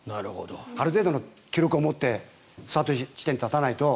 ある程度の記録を持ってスタート地点に立たないと。